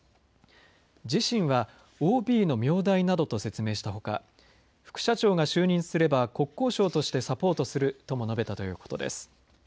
自身はＯＢの名代などと説明したほか副社長が就任すれば国交省としてサポートするとも述べたということです。